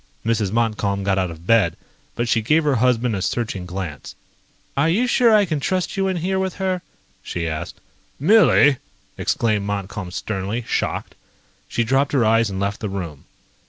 Mrs. Montcalm got out of bed, but she gave her husband a searching glance. "Are you sure I can trust you in here with her?" she asked. "Millie!" exclaimed Montcalm sternly, shocked. She dropped her eyes and left the room.